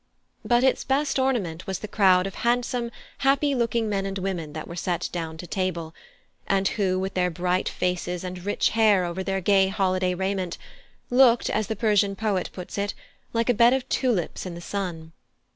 But its best ornament was the crowd of handsome, happy looking men and women that were set down to table, and who, with their bright faces and rich hair over their gay holiday raiment, looked, as the Persian poet puts it, like a bed of tulips in the sun.